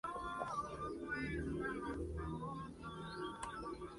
Willem Dafoe ha destacado en numerosas películas por interpretar a personajes de carácter.